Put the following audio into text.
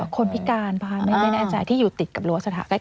คนพิการพาไม่แน่ใจที่อยู่ติดกับรั้วสถาบัน